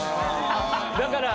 だから